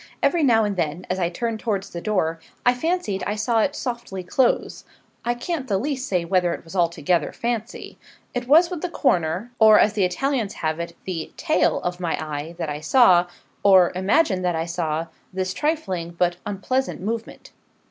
Every now and then, as I turned towards the door, I fancied I saw it softly close. I can't the least say whether it was altogether fancy. It was with the corner, or as the Italians have it, the 'tail' of my eye that I saw, or imagined that I saw, this trifling but unpleasant movement.